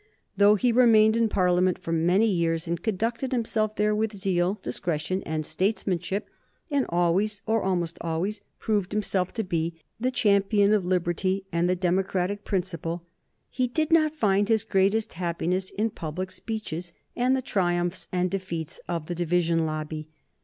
Though he remained in Parliament for many years, and conducted himself there with zeal, discretion, and statesmanship, and always, or almost always, proved himself to be the champion of liberty and the democratic principle, he did not find his greatest happiness in public speeches and the triumphs and defeats of the division lobby.